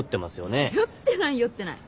酔ってない酔ってない。